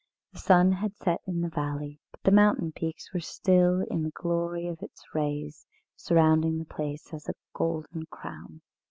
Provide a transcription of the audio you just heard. The sun had set in the valley, but the mountain peaks were still in the glory of its rays, surrounding the place as a golden crown.